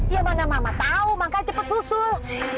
ya mana mama tahu makanya cepet susul